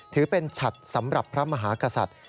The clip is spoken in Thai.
ถือเป็นฉัดสำหรับพระมหากษัตริย์